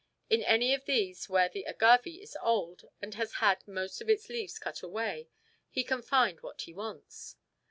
In any of these where the agave is old and has had most of its leaves cut away, he can find what he wants.